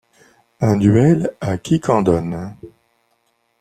Un duel à Quiquendone !